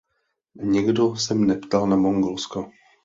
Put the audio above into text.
Někdo se mne ptal na Mongolsko.